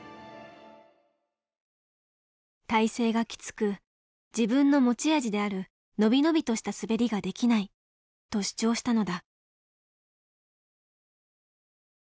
体勢がきつく自分の持ち味である伸び伸びとした滑りができないと主張したのだ。